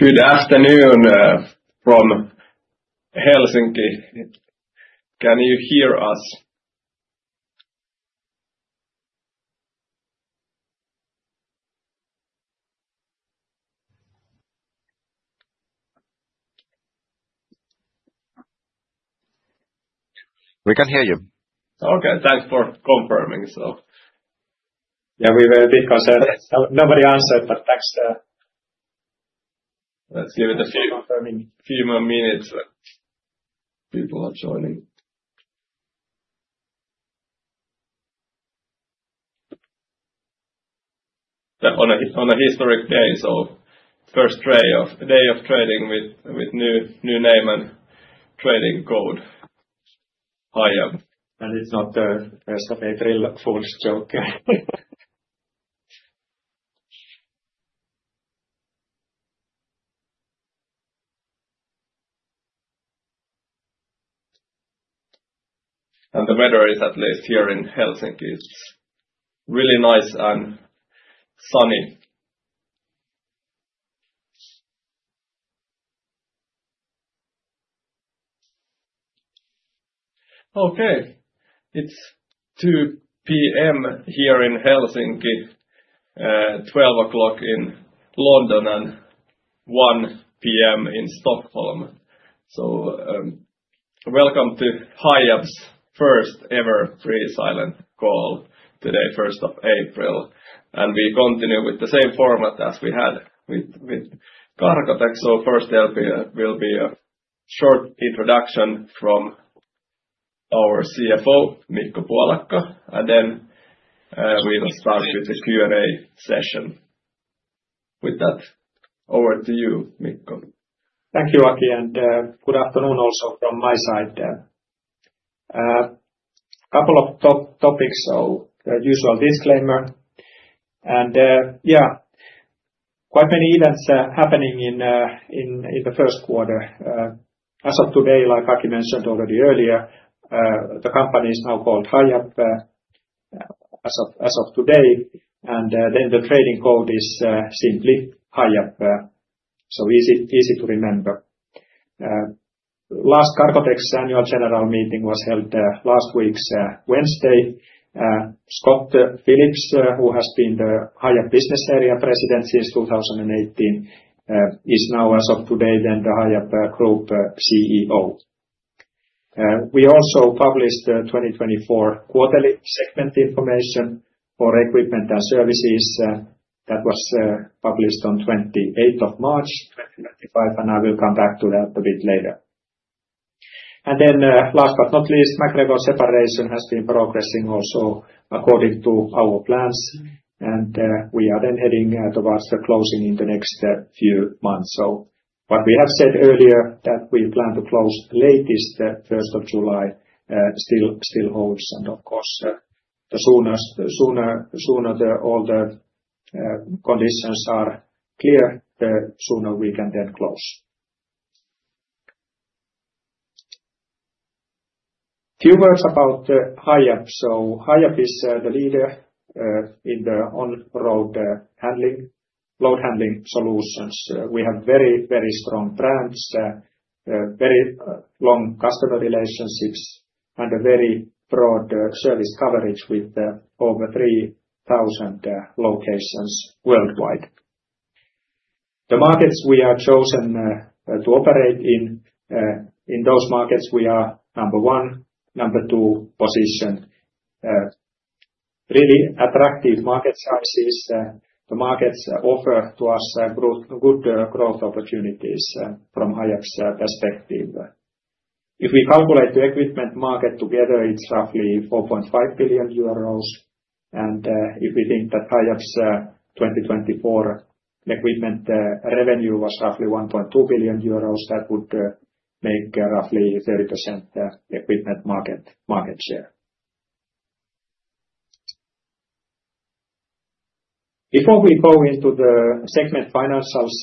Good afternoon from Helsinki. Can you hear us? We can hear you. Okay, thanks for confirming. Yeah, we were a bit concerned. Nobody answered, but thanks. Let's give it a few more minutes. People are joining. On a historic day, so first day of trading with new name and trading code. Hiab. It's not the rest of April Fools' joke. The weather is, at least here in Helsinki, really nice and sunny. It is 2:00 P.M. here in Helsinki, 12:00 in London, and 1:00 P.M. in Stockholm. Welcome to Hiab's first ever pre-silent call today, 1st of April. We continue with the same format as we had with Cargotec. First there will be a short introduction from our CFO, Mikko Puolakka. Then we will start with the Q&A session. With that, over to you, Mikko. Thank you, Aki, and good afternoon also from my side. A couple of top topics, so the usual disclaimer. Yeah, quite many events happening in the first quarter. As of today, like Aki mentioned already earlier, the company is now called Hiab as of today. The trading code is simply Hiab, so easy to remember. Last Cargotec's annual general meeting was held last week's Wednesday. Scott Phillips, who has been the Hiab Business Area President since 2018, is now, as of today, the Hiab Group CEO. We also published the 2024 quarterly segment information for Equipment and Services. That was published on 28th of March, 2025, and I will come back to that a bit later. Last but not least, MacGregor separation has been progressing also according to our plans. We are then heading towards the closing in the next few months. What we have said earlier, that we plan to close latest 1st of July, still holds. Of course, the sooner all the conditions are clear, the sooner we can then close. Few words about Hiab. Hiab is the leader in the on-road load handling solutions. We have very, very strong brands, very long customer relationships, and a very broad service coverage with over 3,000 locations worldwide. The markets we are chosen to operate in, in those markets we are number one, number two position. Really attractive market sizes. The markets offer to us good growth opportunities from Hiab's perspective. If we calculate the equipment market together, it is roughly 4.5 billion euros. If we think that Hiab's 2024 equipment revenue was roughly 1.2 billion euros, that would make roughly 30% equipment market share. Before we go into the segment financials,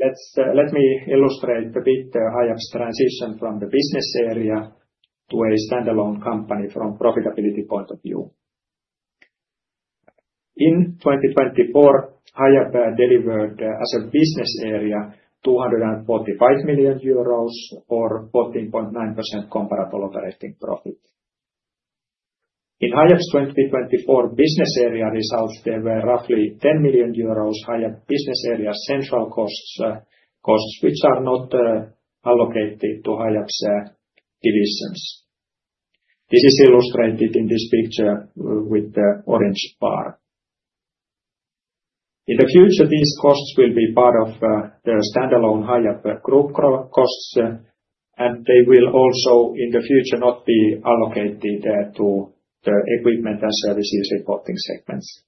let me illustrate a bit Hiab's transition from the business area to a standalone company from a profitability point of view. In 2024, Hiab delivered as a business area 245 million euros, or 14.9% comparable operating profit. In Hiab's 2024 business area results, there were roughly 10 million euros Hiab business area central costs, which are not allocated to Hiab's divisions. This is illustrated in this picture with the orange bar. In the future, these costs will be part of the standalone Hiab Group costs, and they will also in the future not be allocated to the Equipment and Services reporting segments.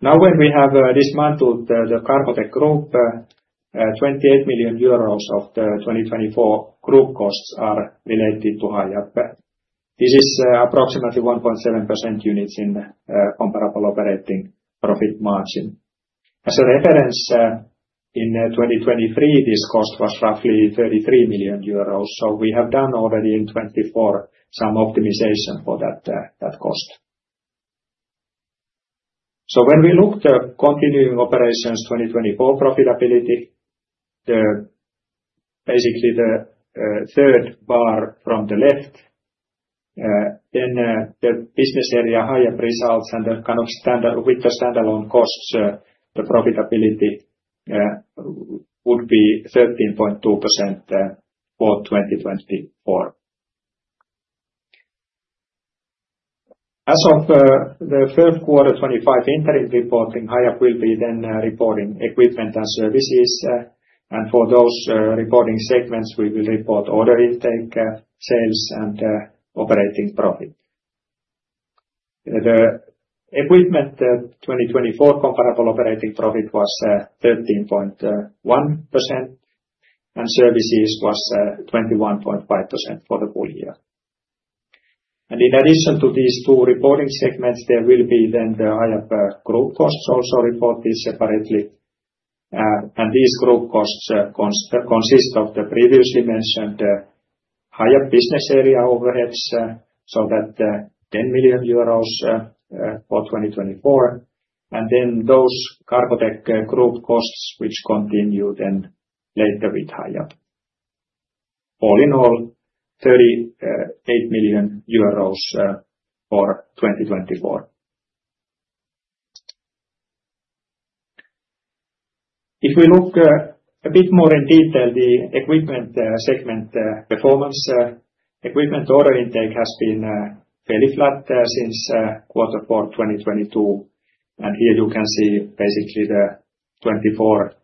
Now, when we have dismantled the Cargotec Group, 28 million euros of the 2024 group costs are related to Hiab. This is approximately 1.7% units in comparable operating profit margin. As a reference, in 2023, this cost was roughly 33 million euros. We have done already in 2024 some optimization for that cost. When we look at continuing operations 2024 profitability, basically the third bar from the left, the business area Hiab results and with the standalone costs, the profitability would be 13.2% for 2024. As of the third quarter 2025, interim reporting, Hiab will be reporting equipment and services. For those reporting segments, we will report order intake, sales, and operating profit. The equipment 2024 comparable operating profit was 13.1%, and services was 21.5% for the full year. In addition to these two reporting segments, there will be the Hiab group costs also reported separately. These group costs consist of the previously mentioned Hiab business area overheads, so that is EUR 10 million for 2024. Those Cargotec group costs, which continue then later with Hiab. All in all, 38 million euros for 2024. If we look a bit more in detail, the equipment segment performance, equipment order intake has been fairly flat since quarter four 2022. Here you can see basically the 2024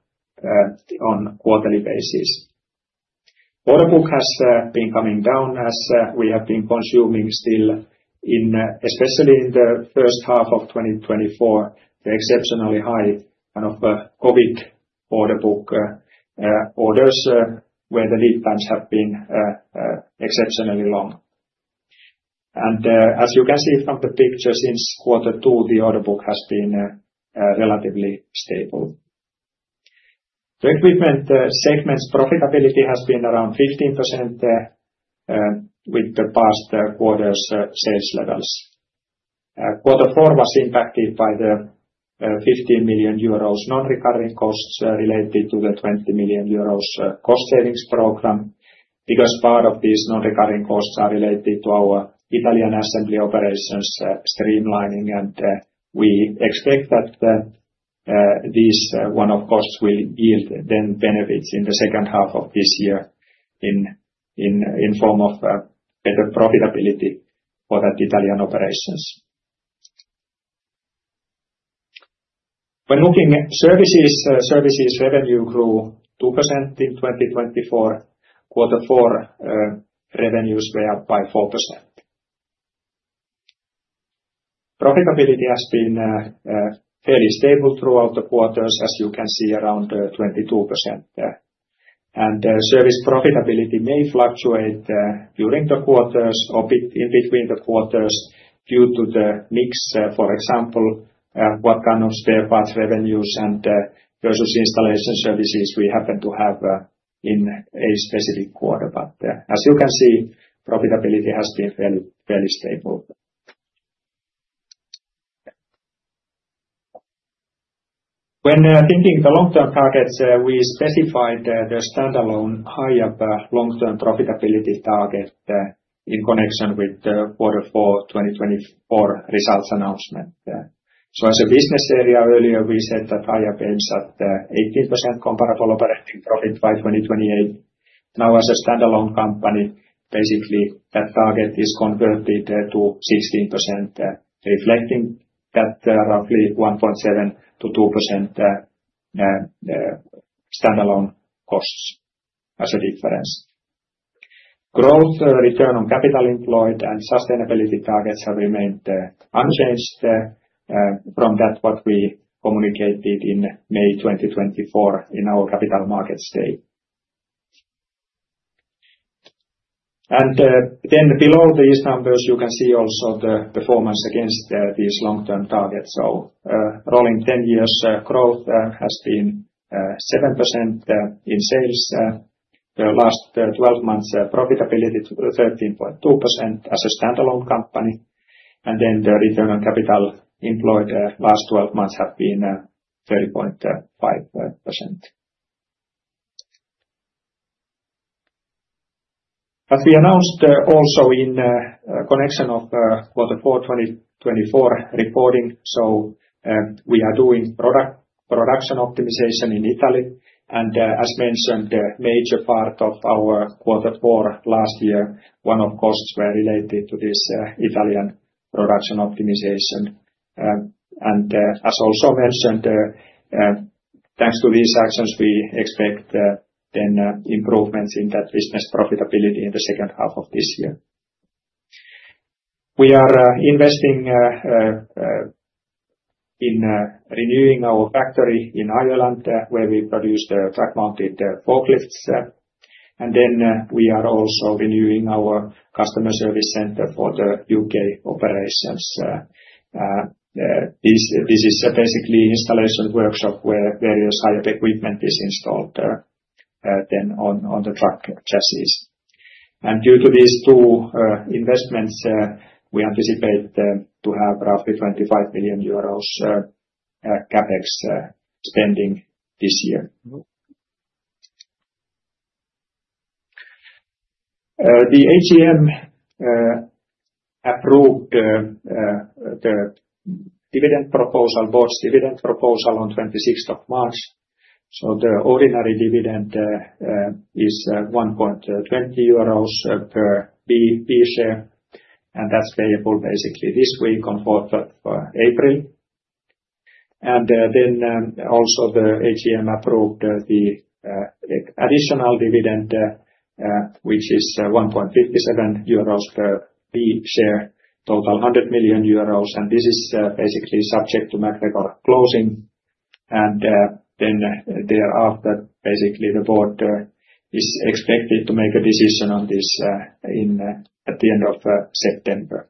on quarterly basis. Order book has been coming down as we have been consuming still, especially in the first half of 2024, the exceptionally high kind of COVID order book orders where the lead times have been exceptionally long. As you can see from the picture since quarter two, the order book has been relatively stable. The equipment segment's profitability has been around 15% with the past quarter's sales levels. Quarter four was impacted by the 15 million euros non-recurring costs related to the 20 million euros cost savings program. Because part of these non-recurring costs are related to our Italian assembly operations streamlining, and we expect that these one-off costs will yield then benefits in the second half of this year in form of better profitability for that Italian operations. When looking at services, services revenue grew 2% in 2024. Quarter four revenues were up by 4%. Profitability has been fairly stable throughout the quarters, as you can see around 22%. Service profitability may fluctuate during the quarters or in between the quarters due to the mix, for example, what kind of spare parts revenues and versus installation services we happen to have in a specific quarter. As you can see, profitability has been fairly stable. When thinking the long-term targets, we specified the standalone Hiab long-term profitability target in connection with the quarter four 2024 results announcement. As a business area, earlier we said that Hiab aims at 18% comparable operating profit by 2028. Now, as a standalone company, basically that target is converted to 16%, reflecting that roughly 1.7-2% standalone costs as a difference. Growth, return on capital employed, and sustainability targets have remained unchanged from that what we communicated in May 2024 in our capital markets day. Below these numbers, you can see also the performance against these long-term targets. Rolling 10 years growth has been 7% in sales. The last 12 months profitability to 13.2% as a standalone company. The return on capital employed last 12 months have been 30.5%. As we announced also in connection of quarter four 2024 reporting, we are doing production optimization in Italy. As mentioned, the major part of our quarter four last year, one-off costs were related to this Italian production optimization. As also mentioned, thanks to these actions, we expect improvements in that business profitability in the second half of this year. We are investing in renewing our factory in Ireland, where we produce the truck-mounted forklifts. We are also renewing our customer service center for the U.K. operations. This is basically an installation workshop where various Hiab equipment is installed on the truck chassis. Due to these two investments, we anticipate to have roughly EUR 25 million CapEx spending this year. The AGM approved the board's dividend proposal on 26th of March. The ordinary dividend is 1.20 euros per B share. That is payable this week on 4th of April. The AGM approved the additional dividend, which is 1.57 euros per B share, total 100 million euros. This is basically subject to MacGregor closing. Thereafter, the board is expected to make a decision on this at the end of September.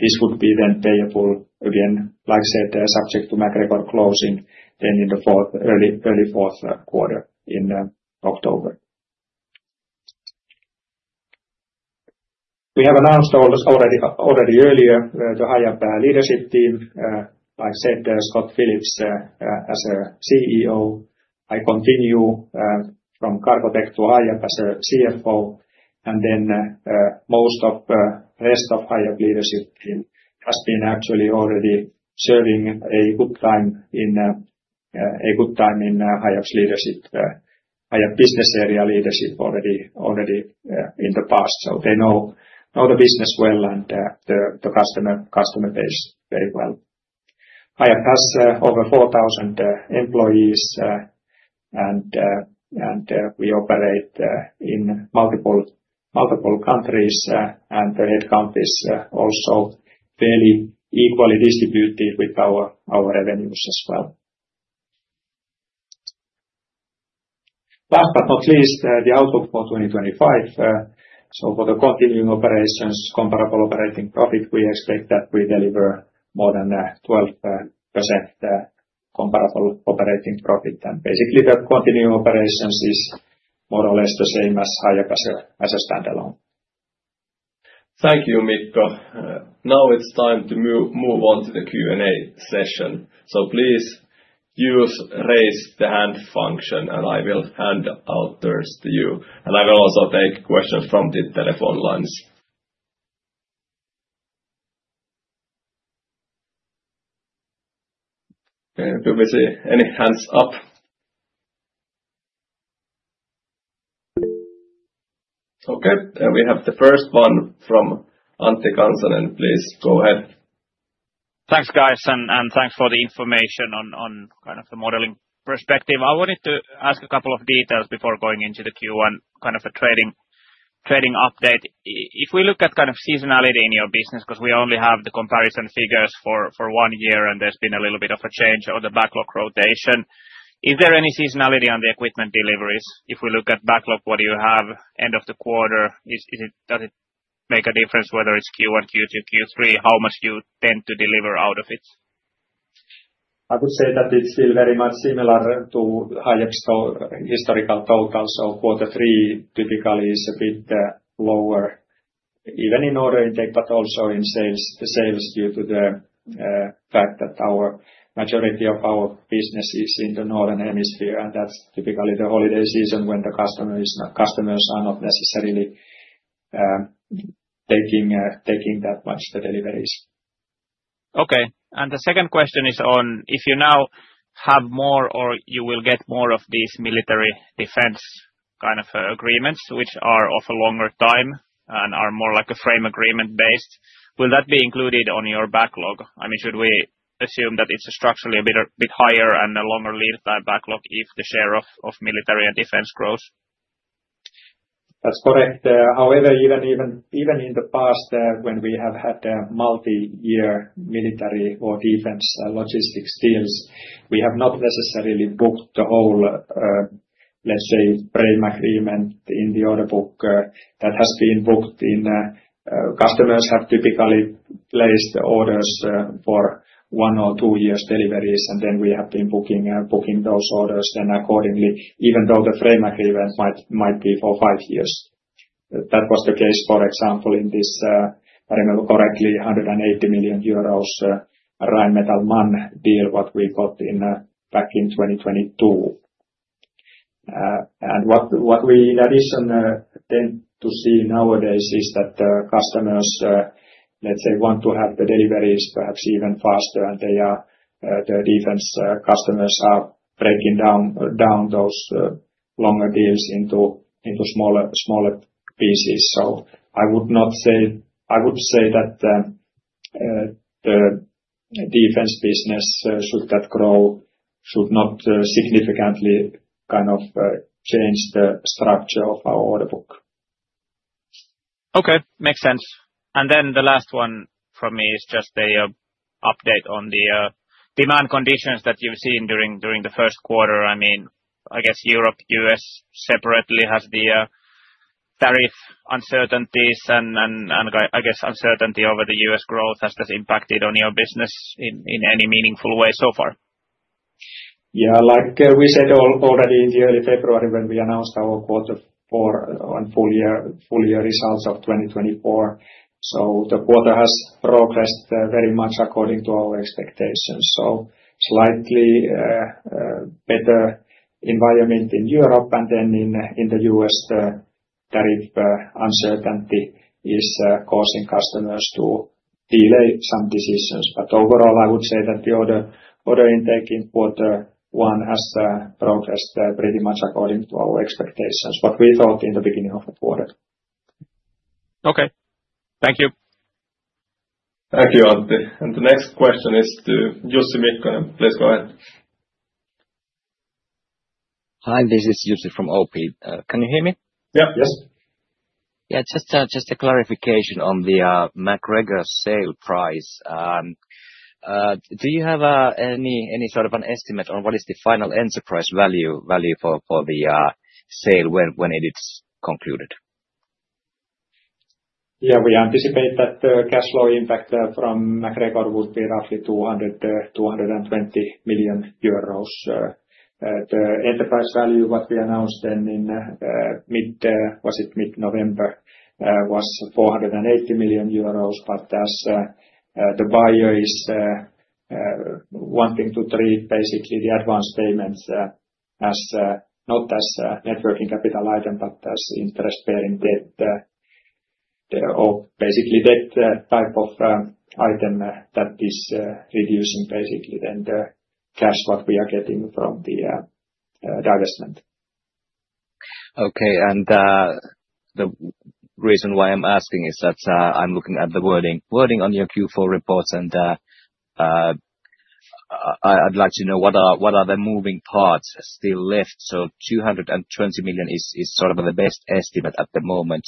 This would be then payable, like I said, subject to MacGregor closing in the early fourth quarter in October. We have announced already earlier the Hiab leadership team. Like I said, Scott Phillips as CEO, I continue from Cargotec to Hiab as CFO. Most of the rest of the Hiab leadership team has been actually already serving a good time in Hiab's leadership, Hiab business area leadership already in the past. They know the business well and the customer base very well. Hiab has over 4,000 employees, and we operate in multiple countries. The headcount is also fairly equally distributed with our revenues as well. Last but not least, the outlook for 2025. For the continuing operations, comparable operating profit, we expect that we deliver more than 12% comparable operating profit. Basically, the continuing operations is more or less the same as Hiab as a standalone. Thank you, Mikko. Now it's time to move on to the Q&A session. Please use the raise the hand function, and I will hand out turns to you. I will also take questions from the telephone lines. Do we see any hands up? Okay, we have the first one from Antti Kansanen, please go ahead. Thanks, guys, and thanks for the information on kind of the modeling perspective. I wanted to ask a couple of details before going into the Q1, kind of the trading update. If we look at kind of seasonality in your business, because we only have the comparison figures for one year and there's been a little bit of a change on the backlog rotation, is there any seasonality on the equipment deliveries? If we look at backlog, what do you have end of the quarter? Does it make a difference whether it's Q1, Q2, Q3, how much you tend to deliver out of it? I would say that it's still very much similar to Hiab's historical totals. Quarter three typically is a bit lower, even in order intake, but also in sales due to the fact that our majority of our business is in the northern hemisphere. That's typically the holiday season when the customers are not necessarily taking that much deliveries. Okay, and the second question is on if you now have more or you will get more of these military defense kind of agreements, which are of a longer time and are more like a frame agreement based, will that be included on your backlog? I mean, should we assume that it's structurally a bit higher and a longer lead time backlog if the share of military and defense grows? That's correct. However, even in the past, when we have had multi-year military or defense logistics deals, we have not necessarily booked the whole, let's say, frame agreement in the order book that has been booked in. Customers have typically placed orders for one or two years deliveries, and then we have been booking those orders then accordingly, even though the frame agreement might be for five years. That was the case, for example, in this, if I remember correctly, 180 million euros Rheinmetall-MAN deal what we got back in 2022. What we in addition tend to see nowadays is that customers, let's say, want to have the deliveries perhaps even faster, and the defense customers are breaking down those longer deals into smaller pieces. I would not say, I would say that the defense business should not grow, should not significantly kind of change the structure of our order book. Okay, makes sense. The last one from me is just the update on the demand conditions that you've seen during the first quarter. I mean, I guess Europe, U.S. separately has the tariff uncertainties, and I guess uncertainty over the U.S. growth. Has this impacted on your business in any meaningful way so far? Yeah, like we said already in early February when we announced our quarter four and full year results of 2024. The quarter has progressed very much according to our expectations. Slightly better environment in Europe, and in the U.S., the tariff uncertainty is causing customers to delay some decisions. Overall, I would say that the order intake in quarter one has progressed pretty much according to our expectations, what we thought in the beginning of the quarter. Okay, thank you. Thank you, Antti. The next question is to Jussi. Mikko, please go ahead. Hi, this is Jussi from OP. Can you hear me? Yeah, yes. Yeah, just a clarification on the MacGregor sale price. Do you have any sort of an estimate on what is the final enterprise value for the sale when it is concluded? Yeah, we anticipate that the cash flow impact from MacGregor would be roughly 220 million euros. The enterprise value what we announced then in mid-November was 480 million euros. As the buyer is wanting to treat basically the advance payments as not as net working capital item, but as interest-bearing debt, basically debt type of item that is reducing basically then the cash what we are getting from the divestment. Okay, the reason why I'm asking is that I'm looking at the wording on your Q4 reports, and I'd like to know what are the moving parts still left. 220 million is sort of the best estimate at the moment.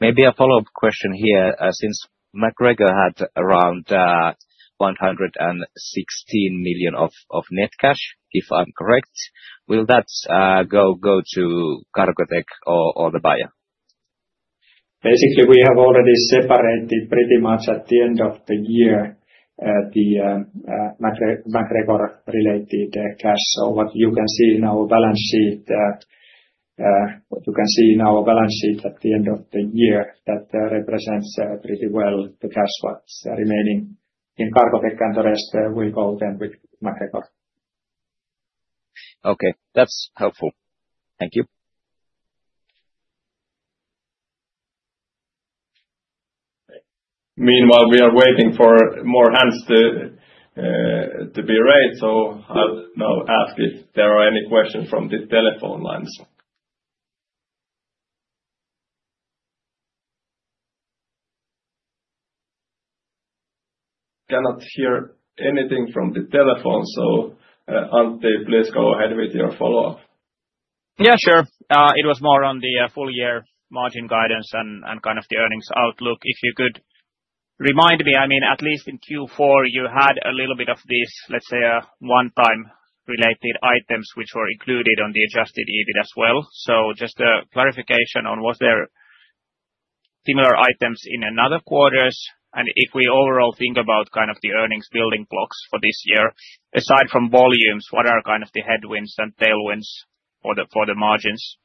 Maybe a follow-up question here. Since MacGregor had around 116 million of net cash, if I'm correct, will that go to Cargotec or the buyer? Basically, we have already separated pretty much at the end of the year the MacGregor-related cash. What you can see in our balance sheet, what you can see in our balance sheet at the end of the year, that represents pretty well the cash what's remaining in Cargotec and the rest will go then with MacGregor. Okay, that's helpful. Thank you. Meanwhile, we are waiting for more hands to be raised. I'll now ask if there are any questions from the telephone lines. Cannot hear anything from the telephone. Antti, please go ahead with your follow-up. Yeah, sure. It was more on the full year margin guidance and kind of the earnings outlook. If you could remind me, I mean, at least in Q4, you had a little bit of these, let's say, one-time related items which were included on the adjusted EBIT as well. Just a clarification on was there similar items in another quarters? If we overall think about kind of the earnings building blocks for this year, aside from volumes, what are kind of the headwinds and tailwinds for the margins?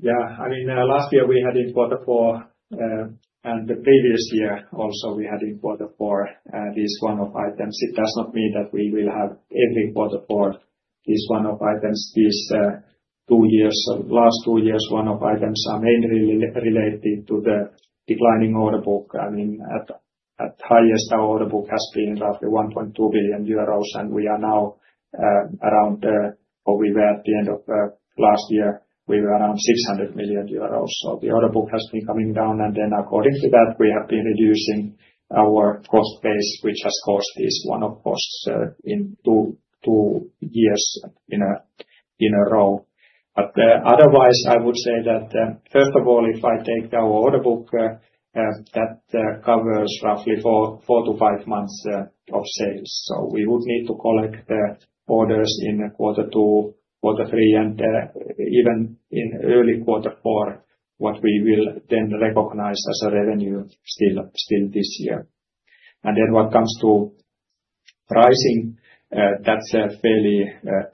Yeah, I mean, last year we had in quarter four, and the previous year also we had in quarter four, this one-off items. It does not mean that we will have every quarter four this one-off items these two years. Last two years, one-off items are mainly related to the declining order book. I mean, at highest, our order book has been roughly 1.2 billion euros, and we are now around where we were at the end of last year. We were around 600 million euros. The order book has been coming down, and then according to that, we have been reducing our cost base, which has caused this one-off costs in two years in a row. Otherwise, I would say that first of all, if I take our order book, that covers roughly four to five months of sales. We would need to collect orders in quarter two, quarter three, and even in early quarter four, what we will then recognize as a revenue still this year. What comes to pricing, that's fairly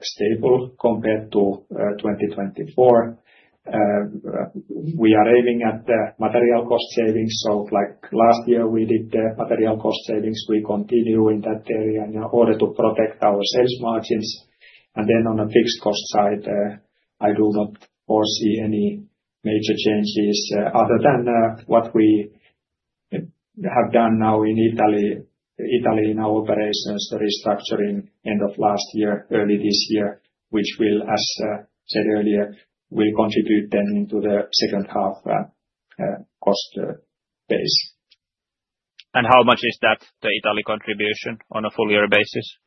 stable compared to 2024. We are aiming at material cost savings. Like last year, we did the material cost savings. We continue in that area in order to protect our sales margins. On the fixed cost side, I do not foresee any major changes other than what we have done now in Italy, in our operations, the restructuring end of last year, early this year, which will, as said earlier, contribute then into the second half cost base. How much is that, the Italy contribution on a full year basis?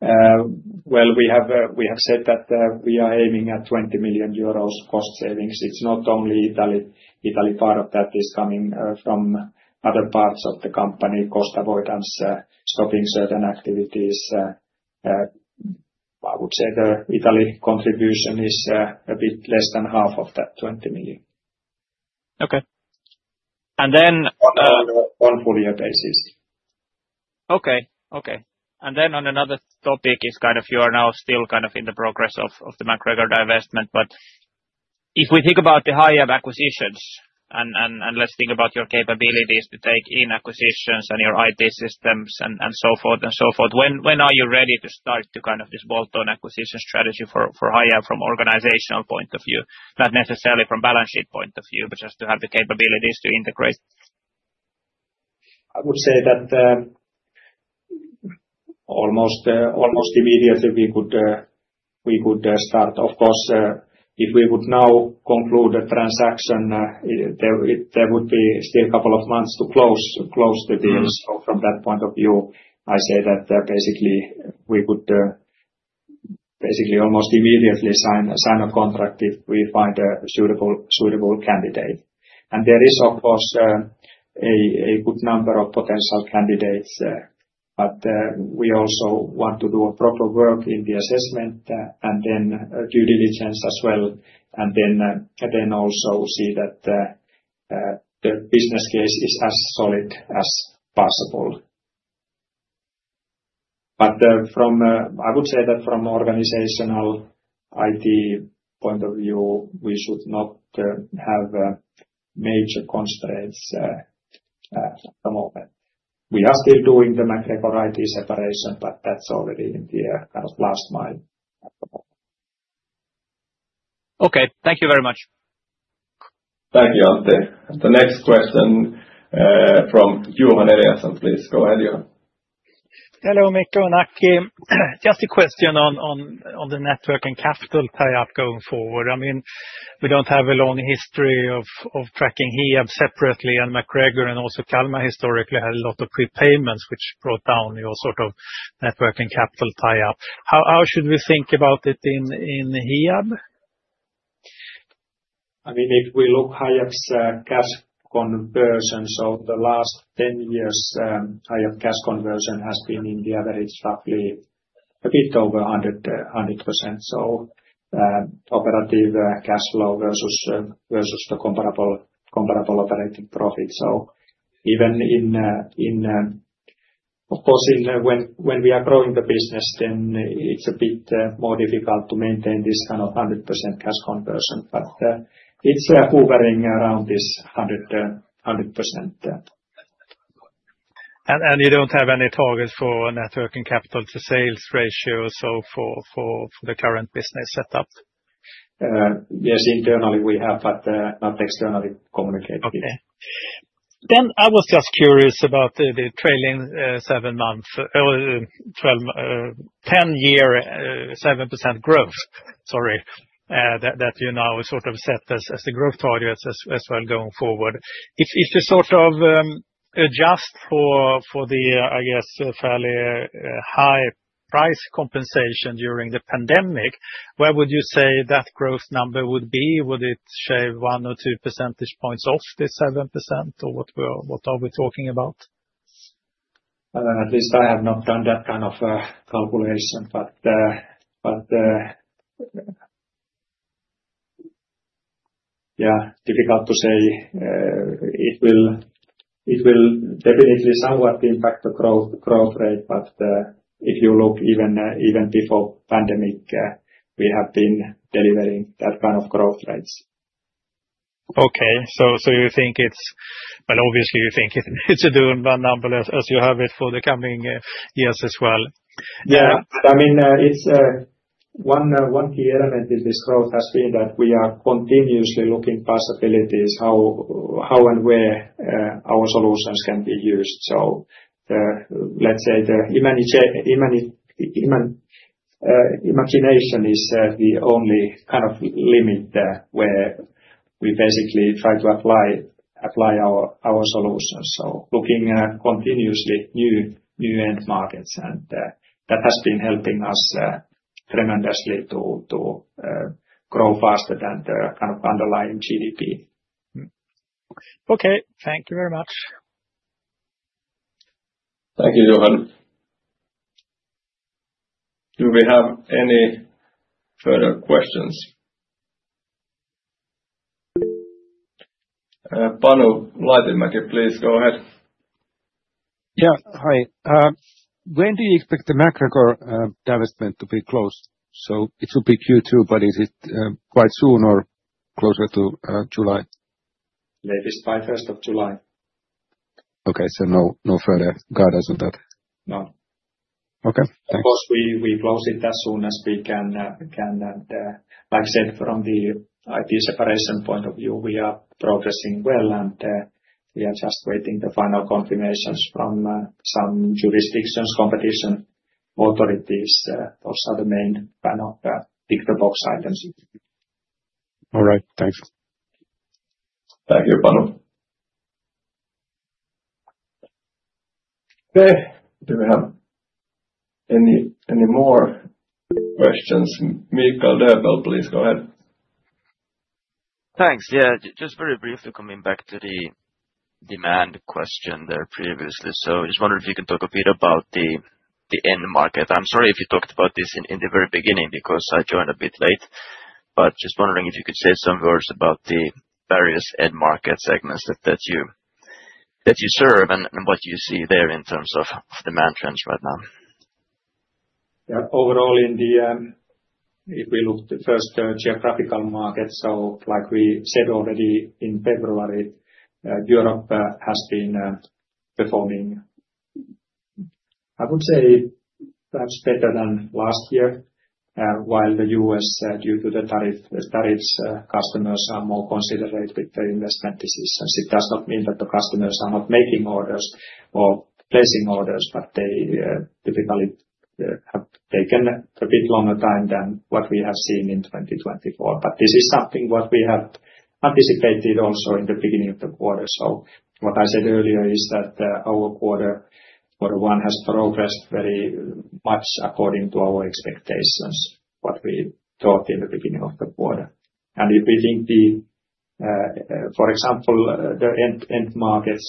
We have said that we are aiming at 20 million euros cost savings. It is not only Italy. Part of that is coming from other parts of the company, cost avoidance, stopping certain activities. I would say the Italy contribution is a bit less than half of that 20 million. Okay. On a full year basis. Okay, okay. On another topic, you are now still kind of in the progress of the MacGregor divestment, but if we think about the Hiab acquisitions, and let's think about your capabilities to take in acquisitions and your IT systems and so forth and so forth, when are you ready to start to kind of this bolt-on acquisition strategy for Hiab from organizational point of view, not necessarily from balance sheet point of view, but just to have the capabilities to integrate? I would say that almost immediately we could start. Of course, if we would now conclude a transaction, there would be still a couple of months to close the deal. From that point of view, I say that basically we could basically almost immediately sign a contract if we find a suitable candidate. There is, of course, a good number of potential candidates, but we also want to do a proper work in the assessment and then due diligence as well, and then also see that the business case is as solid as possible. I would say that from an organizational IT point of view, we should not have major constraints at the moment. We are still doing the MacGregor IT separation, but that is already in the kind of last mile at the moment. Okay, thank you very much. Thank you, Antti. The next question from Johan Eliasson, please go ahead, Johan. Hello, Mikko and Aki. Just a question on the net working capital tie-up going forward. I mean, we do not have a long history of tracking Hiab separately and MacGregor and also Kalmar historically had a lot of prepayments which brought down your sort of net working capital tie-up. How should we think about it in Hiab? I mean, if we look at Hiab's cash conversion, the last 10 years, Hiab's cash conversion has been on average roughly a bit over 100%. Operative cash flow versus the comparable operating profit. Even when we are growing the business, it is a bit more difficult to maintain this kind of 100% cash conversion, but it is hovering around this 100%. You do not have any targets for net working capital to sales ratio or so for the current business setup? Yes, internally we have, but not externally communicated. I was just curious about the trailing seven months, 10-year 7% growth, sorry, that you now sort of set as the growth targets as well going forward. If you sort of adjust for the, I guess, fairly high price compensation during the pandemic, where would you say that growth number would be? Would it shave one or two percentage points off this 7% or what are we talking about? At least I have not done that kind of calculation, but yeah, difficult to say. It will definitely somewhat impact the growth rate, but if you look even before pandemic, we have been delivering that kind of growth rates. Okay, you think it's, obviously you think it's a doable number as you have it for the coming years as well. Yeah, I mean, one key element in this growth has been that we are continuously looking possibilities how and where our solutions can be used. Let's say the imagination is the only kind of limit where we basically try to apply our solutions. Looking continuously at new end markets, and that has been helping us tremendously to grow faster than the kind of underlying GDP. Okay, thank you very much. Thank you, Johan. Do we have any further questions? Panu Laitinmäki, please go ahead. Yeah, hi. When do you expect the MacGregor divestment to be closed? It should be Q2, but is it quite soon or closer to July? Maybe by 1st of July. Okay, so no further guidance on that? No. Of course, we close it as soon as we can. Like I said, from the IT separation point of view, we are progressing well, and we are just waiting for the final confirmations from some jurisdictions, competition authorities. Those are the main kind of tick-the-box items. All right, thanks. Thank you, Panu. Do we have any more questions? Mikkel Døbler, please go ahead. Thanks. Yeah, just very briefly coming back to the demand question there previously. I just wondered if you can talk a bit about the end market. I'm sorry if you talked about this in the very beginning because I joined a bit late, but just wondering if you could say some words about the various end market segments that you serve and what you see there in terms of demand trends right now. Yeah, overall, if we look at the first geographical market, like we said already in February, Europe has been performing, I would say, perhaps better than last year. While the U.S., due to the tariffs, customers are more considerate with their investment decisions. It does not mean that the customers are not making orders or placing orders, but they typically have taken a bit longer time than what we have seen in 2024. This is something we have anticipated also in the beginning of the quarter. What I said earlier is that our quarter one has progressed very much according to our expectations, what we thought in the beginning of the quarter. If we think, for example, the end market,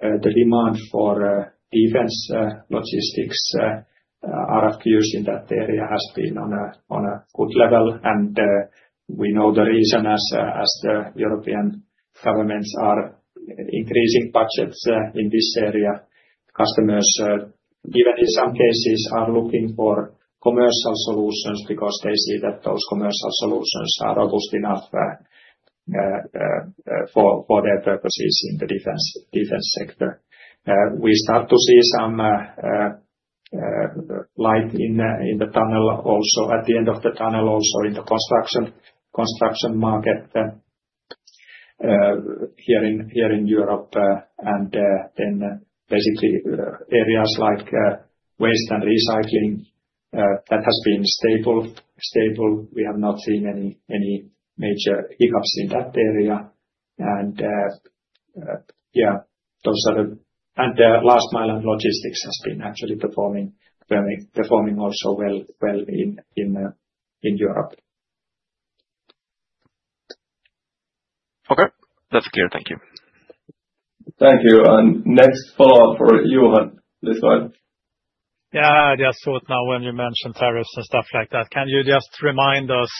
the demand for defense logistics, RFQs in that area has been on a good level. We know the reason as the European governments are increasing budgets in this area. Customers, even in some cases, are looking for commercial solutions because they see that those commercial solutions are robust enough for their purposes in the defense sector. We start to see some light at the end of the tunnel also in the construction market here in Europe. Basically, areas like waste and recycling have been stable. We have not seen any major hiccups in that area. Yeah, those are the last mile and logistics has been actually performing also well in Europe. Okay, that's clear. Thank you. Thank you. Next follow-up for Johan, please go ahead. Yeah, just so now when you mentioned tariffs and stuff like that, can you just remind us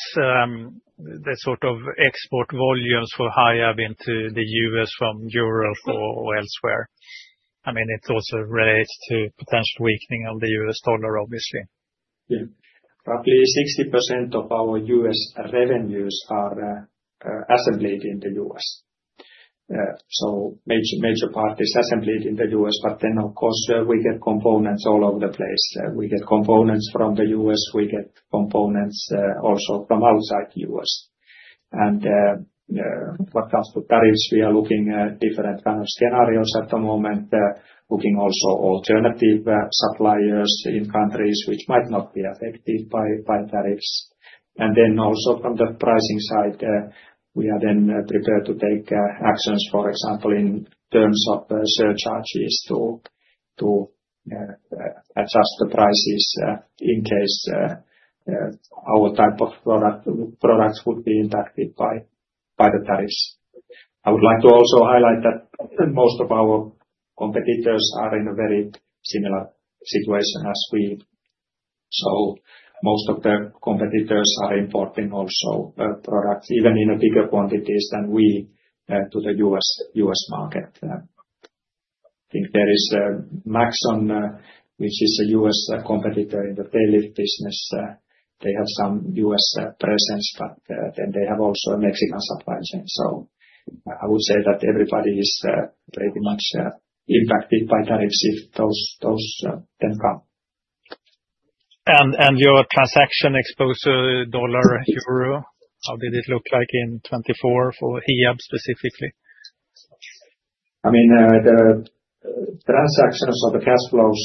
the sort of export volumes for Hiab into the US from Europe or elsewhere? I mean, it also relates to potential weakening of the US dollar, obviously. Yeah, roughly 60% of our US revenues are assembled in the US. Major part is assembled in the US, but then of course we get components all over the place. We get components from the US, we get components also from outside the US. What comes to tariffs, we are looking at different kind of scenarios at the moment, looking also at alternative suppliers in countries which might not be affected by tariffs. Also from the pricing side, we are then prepared to take actions, for example, in terms of surcharges to adjust the prices in case our type of products would be impacted by the tariffs. I would like to also highlight that most of our competitors are in a very similar situation as we. Most of the competitors are importing also products, even in bigger quantities than we to the U.S. market. I think there is Maxon, which is a U.S. competitor in the tail lift business. They have some U.S. presence, but they have also a Mexican supply chain. I would say that everybody is pretty much impacted by tariffs if those then come. Your transaction exposure, dollar-euro? How did it look like in 2024 for Hiab specifically? I mean, the transactions of the cash flows,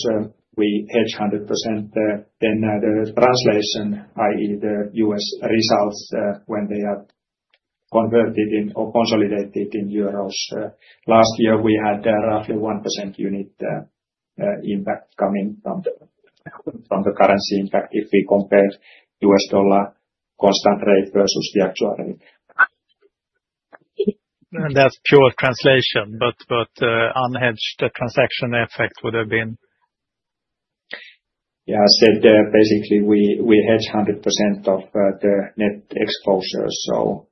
we hedge 100%. The translation, i.e., the US results when they are converted or consolidated in EUR. Last year, we had roughly 1% unit impact coming from the currency impact if we compare US dollar constant rate versus the actual rate. That is pure translation, but unhedged transaction effect would have been? Yeah, I said basically we hedge 100% of the net exposure, so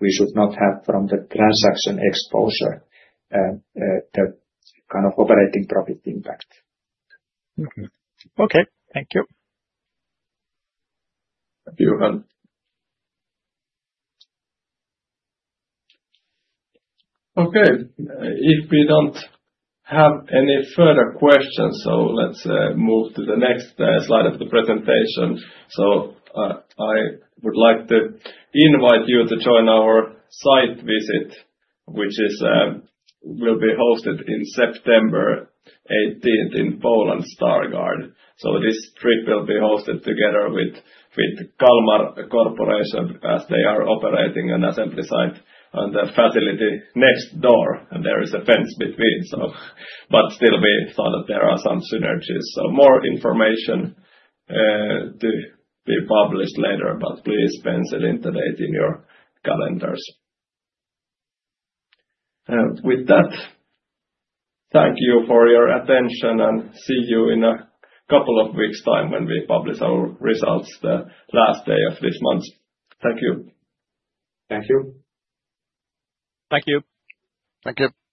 we should not have from the transaction exposure the kind of operating profit impact. Okay, thank you. Thank you, Johan. If we do not have any further questions, let us move to the next slide of the presentation. I would like to invite you to join our site visit, which will be hosted on September 18th in Poland, Stargard. This trip will be hosted together with Kalmar as they are operating an assembly site on the facility next door, and there is a fence between. Still, we thought that there are some synergies. More information to be published later, but please pencil in today in your calendars. With that, thank you for your attention, and see you in a couple of weeks' time when we publish our results, the last day of this month. Thank you. Thank you. Thank you. Thank you.